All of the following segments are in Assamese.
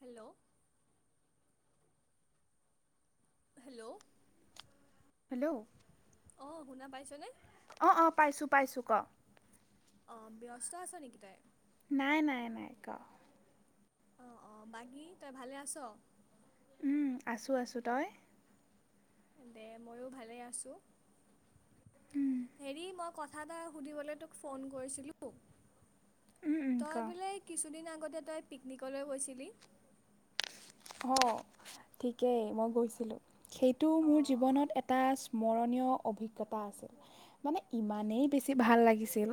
হেল্ল' হেল্ল' হেল্ল' অ শুনা পাইছনে অ অ পাইছো পাইছো ক অ ব্যস্ত আছ নেকি তই নাই নাই নাই কও অ অ বাকী তই ভালে আছ আছো আছো তই দে ময়ো ভালে আছো উম, হেৰি মই কথা এটা সুধিবলৈ তোক ফোন কৰিছিলো উম, উম, ক তই বোলে কিছুদিনৰ আগ তেতো তই পিকনিকলৈ গৈছিলি অ ঠিকেই মই গৈছিলো সেইটো অঁ মোৰ জীৱনত এটা স্মৰণীয় অভিজ্ঞতা আছিল মানে ইমানেই বেছি ভাল লাগিছিল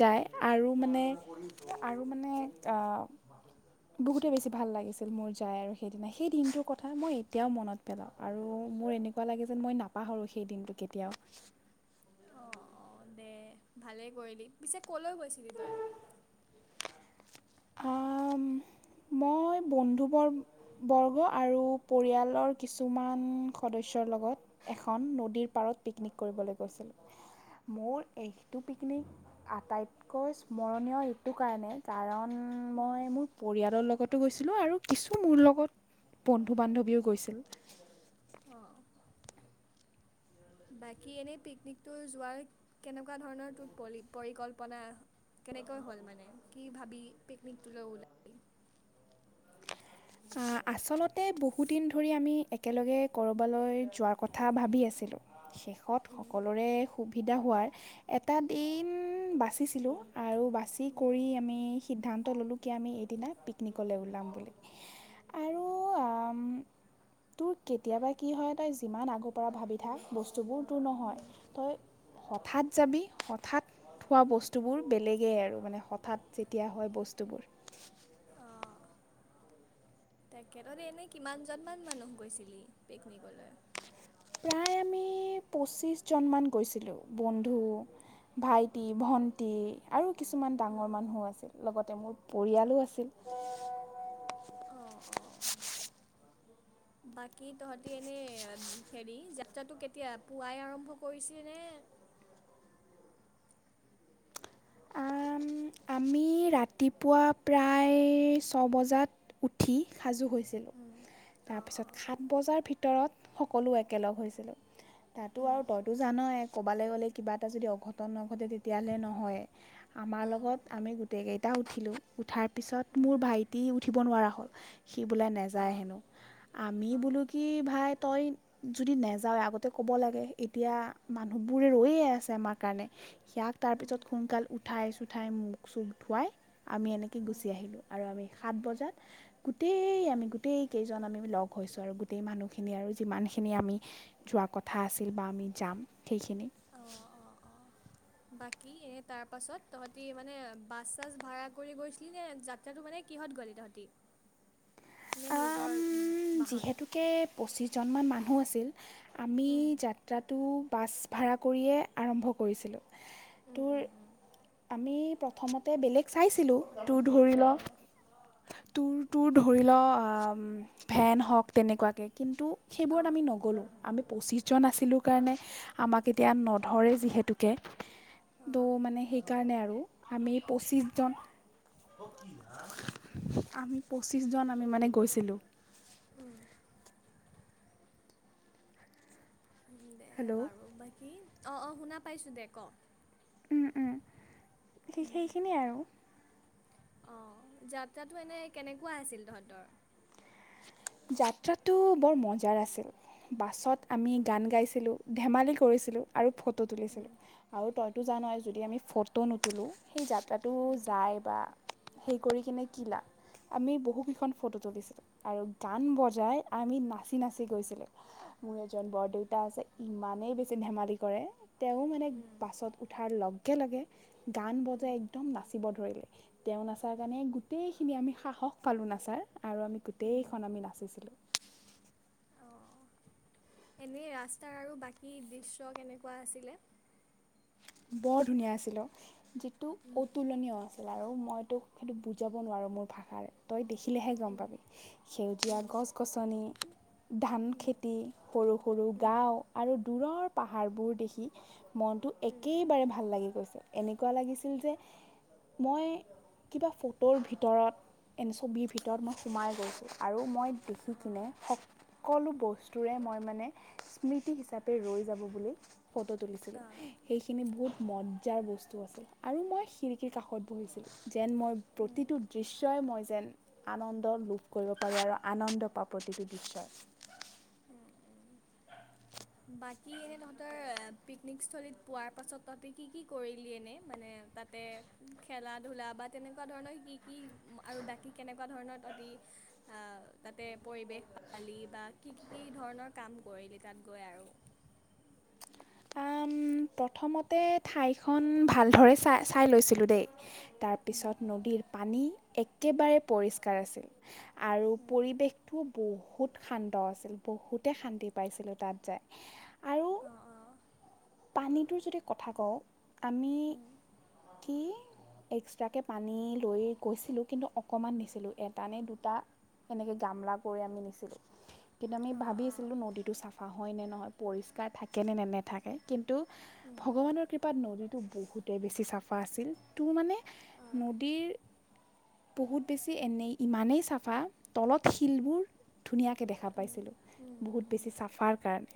যাই আৰু মানে আৰু মানে বহুতে বেছি ভাল লাগিছিল মোৰ যাই আৰু সেইদিনা সেই দিনটোৰ কথা মই এতিয়াও মনত পেলাওঁ আৰু মোৰ এনেকোৱা লাগে যেন মই নাপাহৰো সেই দিনটো কেতিয়াও অঁ অঁ দে ভালে কৰিলি পিছে কলৈ গৈছিলি তই অঁ মই বন্ধুবৰ বৰ্গ আৰু পৰিয়ালৰ কিছুমান সদস্যৰ লগত এখন নদীৰ পাৰত পিকনিক কৰিবলৈ গৈছিলোঁ মোৰ এইটো পিকনিক আটাইতকৈ স্মৰণীয় এইটো কাৰণে কাৰণ উ মই মোৰ পৰিয়ালৰ লগত লগতো গৈছিলোঁ আৰু কিছু মোৰ লগত বন্ধু বান্ধৱীও গৈছিল অঁ বাকী এনেই পিকনিকটো যোৱাৰ কেনেকোৱা ধৰণৰ তোৰ পৰিকল্পনা কেনেকৈ হ'ল মানে কি ভাবি পিকনিক টোলৈ ওলালি আচলতে বহুদিন ধৰি আমি একেলগে কৰ'বালৈ যোৱাৰ কথা ভাবি আছিলোঁ শে ষত ওলালি সকলোৰে সুবি ধা হোৱাৰ এটা দিন বাচিছিলোঁ আৰু বাছি কৰি আমি সিদ্ধান্ত ল'লোঁ কি আমি সেইদিনা পিকনিকলৈ ওলাম বুলি আৰু তোৰ কেতিয়াবা কি হয় তই যিমান আগৰ পৰা ভাবি থাক বস্তু বহুত দূৰ নহয় তই হঠাৎ যাবি হঠাৎ খোৱা বস্তুবোৰ বেলেগেই আৰু মানে হঠাৎ যেতিয়া হয় বস্তুবোৰ তেখেততে এনে কিমান জন মান মানুহ গৈছিলি পিকনিকলৈ প্ৰায় আমি পঁচিছজনমান গৈছিলোঁ বন্ধু ভাইটি ভণ্টি আৰু কিছুমান ডাঙৰ অঁ মানুহো আছিল লগত মোৰ পৰিয়ালো আছিল অঁ অঁ বাকী তহঁতি এনেই হেৰি যাত্ৰাটো কেতিয়া পুৱাই আৰম্ভ কৰিছেনে। আম, আমি ৰাতিপুৱা প্ৰায় ছ বজাত উঠি সাজু হৈছোঁ উম, অঁ অঁ [inaudible] ভিতৰত সকলো একেলগ হৈছিলোঁ তাতো উম আৰু তইতো জান এক ক'বালৈ গ'লে কিবা এটা যদি অঘটন নঘটে তেতিয়াহ'লে নহয় আমাৰ উম লগত। আমি গোটেইকেইটা উঠিলোঁ উঠাৰ তাৰপিছত মোৰ উম ভাইটি উঠিব নোৱাৰা [inaudible] সি বোলে নাযায় অঁ হেনো আমি অঁ বোলো কি ভাই তই যদি নাযাও আগতে কব লাগে এতিয়া মানুহবোৰে ৰৈয়ে আছে আমাৰ কাৰণে ইয়াক তাৰ উম পিছত সোনকাল উঠাই আছো সো উৎ ঠাইমো চুঠোৱাই আমি এনেকৈ উম গুচি আহিলোঁ আৰু আমি সাত বজাত গোটেই আমি গোটেই কেইজন আমি লগ হৈছোঁ আৰু গোটেই মানুহখিনি আৰু যিমানখিনি আমি যোৱা কথা আছিল বা আমি যাম সেইখিনি অঁ অঁ বাকী এনে তাৰপাছত তহঁতি মানে বাছ চাছ ভাড়া কৰি গৈছিলি নে যাত্ৰাটো মানে কিহত গ'লে তহঁতি নে নিজৰ আম বাহন যিহেতুকে পঁচিছ জন মান মানুহ মো আছিল আমি উম যাত্ৰাটো পাছ ভাড়া কৰিয়ে আৰম্ভ কৰিছিলোঁ উম উম উম তোৰ আমি প্ৰথমতে বেলেগ চাইছিলোঁ টো ধৰি ল অঁ তোৰ তোৰ ধৰি লোৱা বা ফেন হওক তেনেকুৱাকে কিন্তু সেইবোৰত অঁ আমি নগ'লোঁ আমি পঁচিছজন আছিলোঁ কাৰণে আমাক এতিয়া নধৰে যিহেতুকে ত' অ' মানে সেইকাৰণে আৰু আমি পঁচিশজন কৈছিলোঁ উম দে হেল্ল' বাৰু উম বাকী অঁ অঁ শুনা পাইছোঁ দে ক উম উম সেই উম, সেইখিনিয়ে আৰু অ যাত্ৰাটো এনেই কেনেকুৱা আছিল তহঁতৰ যাত্ৰাটো বৰ মজাৰ আছিল বাছত আমি উম, গান গাইছিলোঁ ধেমালি কৰিছিলোঁ আৰু ফো ফটো তুলিছিলো উম, আৰু তইতো উম, জানই যদি আমি ফটো ফটো নোতুলোঁ সেই যাত্ৰা তাতো উম, যায় বা হেই কৰি কিনে কি লাভ আমি বহু কেইখন ফটো তুলিছিলো আৰু গান বজাই আমি নাচি নাচি গৈছিলোঁ মোৰ এজন বৰদেউতা আছে ইমানেই বেছি ধেমালি কৰে। তেওঁ মানে উম, বাছত উঠাৰ লগ একেলগে গান উম, বজাই একদম নাচিব ধৰিলে। তেওঁ নাচাৰ কাৰণে গোটেই খিনি আমি সাহস পালো নাচাৰ। আৰু আমি গোটেই উম, নাচিছিলোঁ অঁ এনেই ৰাস্তা আৰু বাকী দৃশ্য কেনেকুৱা আছিলে। বৰ ধুনীয়া আছিলোঁ। যিটো উম, অতুলনীয় আছে আৰু মইতো সেইটো বুজাব নোৱাৰো মোৰ ভাষাৰে তই দে দেখিলেহে গম উম, পাবি সেউজীয়া উম, গছ গছনি ধান উম, খেতি সৰু সৰু উম, গাঁও আৰু দূৰৰ পাহাৰবোৰ দেখি মনটো এক উম, একেবাৰে ভাল লাগি গৈছে এনেকুৱা লাগিছিল যে মই কিবা ফটোৰ ভিতৰত এনে ছবিৰ ভিতৰত মই সোমাই গৈছোঁ আৰু মই দেখি অ' কিনে সকলো বস্তুৰে মই মানে স্মৃতি হিচাপে ৰৈ যাব বুলি ফটো তুলিছিলো। অ', বহুত মজাৰ বস্তু আছে আৰু মই খিৰিকীৰ কাষত বহিছিলো যেন মই উম, প্ৰতিটো দৃশ্যই মই যেন আনন্দ লোভ কৰিব পাৰি আৰু আনন্দ পাওঁ প্ৰতিটো দৃশ্যৰ উম। বাকী এনেই তহঁতৰ পিকনিকস্থলীত পোৱাৰ পাছত তহঁতি কি কি কৰিলি এনেই মানে তাতে খেলা ধূলা বা তেনেকুৱা ধৰণৰ কি কি আৰু বাকী কেনেকুৱা ধৰণৰ তহঁতি তাতে পৰিৱেশ পালি বা কি কি কি ধৰণৰ কাম কৰিলি তাত। গৈ আৰু প্ৰথমতে ঠাইখন ভালদৰে চাই চাই লৈছিলোঁ দেই তাৰপিছত উম নদীৰ পানী একেবাৰে পৰিষ্কাৰ আছিল। আৰু উম পৰিৱেশটো। বহুত শান্ত আছিল বহুতে শান্তি পাইছিলোঁ তাত যাই। আৰু অঁ অঁ। পানীটোৰ যদি কথা কওঁ। আমি উম কি। এক্সট্ৰাকে পানী লৈ গৈছিলোঁ কিন্তু অকণমান নিছিলোঁ এটা নে দুটা এনেকে গামলা কৰি আমি নিছিলোঁ। কিন্তু আমি অঁ ভাবি অঁ আছিলোঁ নদীটো চাফা। হয়নে নহয় পৰিষ্কাৰ থাকেনে নে নেথাকে। টো উম ভগৱানৰ কৃপাত ন য। তোৰ বহুতেই বেছি চাফা আছিল তোৰ মানে। অঁ নদীৰ। বহুত বেছি এনেই ইমানেই চাফা তলত শিলবোৰ। ধুনীয়াকৈ দেখা উম পাইছিলোঁ উম বহুত হুম হুম বেছি চাফাৰ কাৰণে।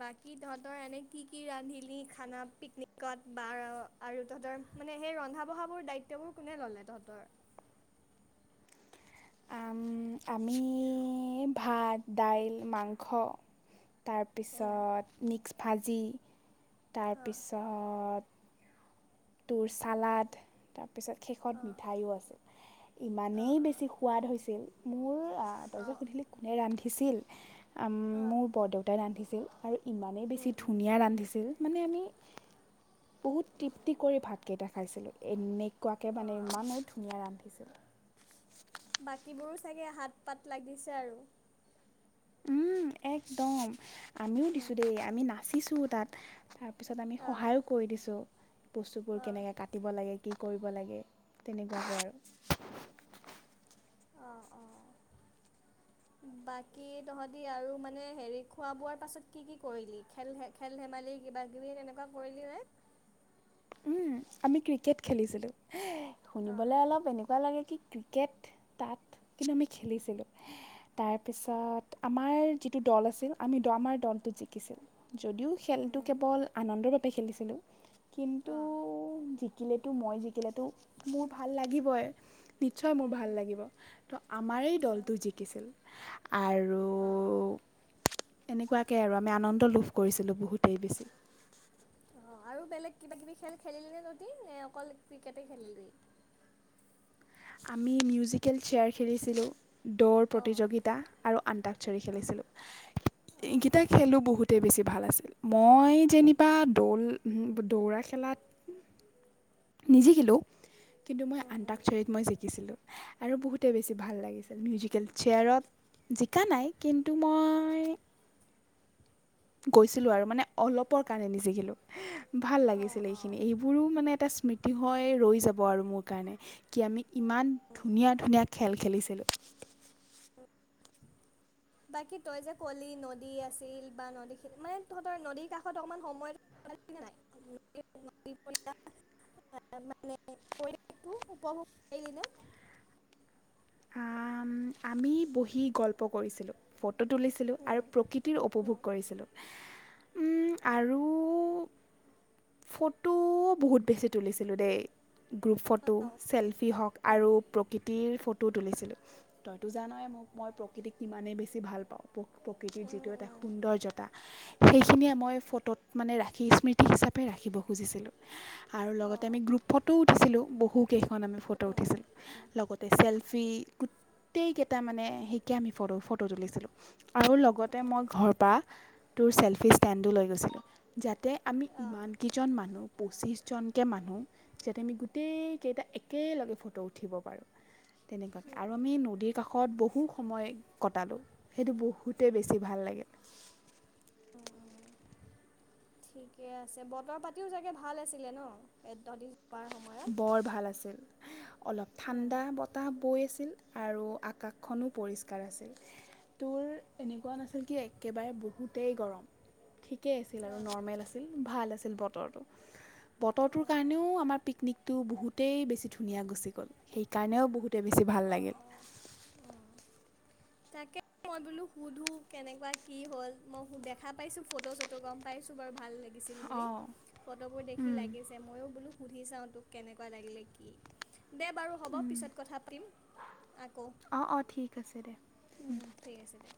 বাকী তহঁতৰ এনে কি কি ৰান্ধিলি খানা পিকনিকত বা আৰু তহঁতৰ মানে সেই ৰন্ধা বঢ়াাবোৰ দায়িত্ববোৰ কোনে ললে তহঁতৰ। আমি ভাত দাইল মাংস। উম তাৰপিছত মিক্স। ভাজি। তাৰপিছত। তোৰ চালড তাৰ। তাৰপিছত শেষত মিঠাইও আছিল ইমানেই বেছি সোৱাদ হৈছিল। মোৰ আহ তই যে সুধিলি কোনে ৰান্ধি। সিঁছিল। মোৰ বাকীবোৰো বৰদেউতাই ৰান্ধিছিল। আৰু। ইমানেই বেছি ধুনীয়া ৰান্ধিছিল। মানে আমি বহুত টিপ। খ কৰি ভাতকেইটা খাইছিলোঁ এনে। একুৱাকৈ মানে ইমানেই ধুনীয়া ৰান্ধিছিল। বাকীবোৰো চাগে হাত পাত লাগিছে আৰু। উম একদম। আমিও দিছোঁ দেই আমি নাচিছোঁ তাত। তাৰ পিছত আমি অ', সহায়ো কৰি দিছো বস্তুবোৰ অ', কেনেকে কাটিব লাগে কি। লাগে তেনেকুৱাকৈ আৰু। অঁ অঁ বাকী তহঁতি আৰু মানে হেৰি খোৱা বোৱাৰ পাছত কি কি কৰিলি খেল খেল ধেমালি কিবা কিবি তেনেকুৱা কৰিলি নে। উম আমি ক্ৰিকেট খেলিছিলো। অঁ হোঁ'শুনিবলে অলপ এনেকুৱা লাগে কি ক্ৰিকেট তাত কিন্তু আমি খেলিছিলোঁ। তাৰপিছত আমাৰ যিটো দল আছিল আমি দুৱামাৰ আমাৰ দলটোত জিকিছিল। যদিও খেলটো কেৱল আনন্দৰ বাবে। তে খেলিছিলোঁ কিন্- জিকিলেতো মই জিকিলেতো মোৰ ভাল লাগিবই। নিশ্চয় মোৰ ভাল লাগিব ত আমাৰেই দলটো জিকিছিল- আৰু এনেকুৱাকে আৰু আমি আনন্দ লোভ কৰিছিলোঁ বহুতেই বেছি। অঁ আৰু বেলেগ কিবা কিবি খেল খেলিলি নে তহঁতি নে অকল ক্ৰিকেটেই খেলিলি? আমি মিউজিকেল চেয়াৰ খেলিছিলোঁ। দৌৰ অঁ প্ৰতিযোগিতা আৰু আন্তাকচৰি অঁ খেলিছিলোঁ। এইকেইটা খেলোঁ বহুতেই বেছি। ভাল আছিল, ওঁ - মই যেনিবা, দৌল ওঁহোঁ, দৌৰা খেলাত? নিজে খেলোঁ। কিন্তু মই, আন্দাকচাৰীত, মই জিকিছিলোঁ। হেঁহ--আৰু বহুতে বেছি ভাল লাগিছিল। মিউজিকেল চেয়াৰত জিকা নাই, কিন্তু মই গৈছিলোঁ আৰু মানে অলপৰ কাৰণে নিজিকিলোঁ। হেঁ--হ ভাল অঁ অঁ লাগিছিলে অঁ এইখিনি, এইবোৰো মানে এটা-চ- মিটিং হৈ ৰৈ যাব আৰু মোৰ কাৰণে, কি আমি? ইমান ধুনীয়া ধুনীয়া খেল খেলিছে। খেলো বাকী তই যে কলি নদী আছিল বা নদীখিনি মানে তহঁতৰ নদীৰ কাষত অকণমান সময় নাই মানে পৰিেৱেশটো উপভোগ কৰিলিনে? আম -আমি বহি গল্প কৰিছিলো। ফট ফটো তুলিছিলোঁ আৰু উম, প্ৰকৃতিৰ উপভোগ উম, কৰিছিলোঁ। ম আৰু ফটো বহুত বেছি তুলিছিলোঁ দেই। গ্ৰুপ ফটো অ, চেলফি হওক উম, আৰু প্ৰকৃতিৰ ফট টো তুলিছিলোঁ। তইতো জানই মোক, মই প্ৰকৃতিক ইমানেই বেছি ভাল পাওঁ প্ৰ প্ৰকৃতিৰ যিটো উম, এটা উম, সৌন্দৰ্য্যতা সেইখিনিয়ে মই ফটোত মানে ৰাশি স্মৃতি হিচাপে ৰাখিব খুজিছিলোঁ। আৰু অ, লগতে আমি গ্ৰুপ ফটোও উঠিছিলোঁ বহু হু কেইখন আমি ফটো উম, উম, উঠিছিলোঁ লগতে চেল্ফ ফি গোটেইকেইটা মানে সেইকে আমি ফটো ফটো তুলিছিলোঁ। আৰু লগতে মই ঘৰ পৰা তোৰ চেল্ফি ষ্টেণ্ডটো লৈ গৈছিলোঁ। যাতে আমি অ, ইমানকেইজন মানুহ পুঁচিশ জনকে মানুহ যাতে আমি গোটেই কেইটা একেলগে ফটো উঠিব পাৰোঁ। তেনেকুৱা উম, আৰু আমি নদীৰ কাষত বহু সময় কটালোঁ সেইটো বহুতেই বেছি ভাল লাগে। অঁ অঁ ঠিকে আছে। বতৰ- পাতিও চাগে ভাল আছিলে ন' এ তহঁতি যোৱাৰ সময়ত? বৰ ভাল আছিল অলপ উম, ঠাণ্ডা বতাহ বৈ আছিল আৰু আকাশখনো পৰিষ্কাৰ আছিল তোৰ এনেকোৱা নাছিল কি একেবাৰে বহুতেই গৰম ঠিক আছিল অ, আৰু নৰ্মেল আছিল ভাল আছিল বতৰটোৰ কাৰণেও আমাৰ পিক নিকটো বহুতেই বেছি ধুনীয়া গুচি গ'ল সেইকাৰণেও বহুতে বেছি ভাল অ, অ, লাগিল অ, উম। তাকে মই বোলো সুধো কেনেকোৱা কি হ'ল মই দেখা পাইছো ফটো চটো গম পাইছো বাৰু ভাল লাগিল দিছিল বুলি অঁ ফটোবোৰ দেখি লাগিছে মইও বোলো সুধি চাও তোক কেনেকোৱা লাগিলে কি দে বাৰু হ'ব পিছত কথা পাতিম আকৌ অ অ ঠিক আছে দে ঠিক আছে দে